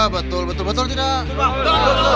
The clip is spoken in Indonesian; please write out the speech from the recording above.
betul betul betul tidak